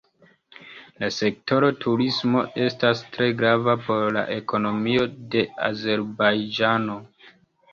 La sektoro turismo estas tre grava por la ekonomio de Azerbajĝano.